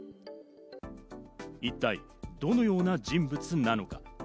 一体どのような人物なのか。